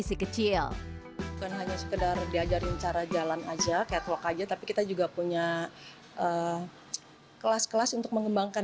eksistensi model cilik mulai naik daun beberapa waktu belakangan